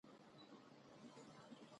تاریخ د خپل ولس د سربلندۍ ښيي.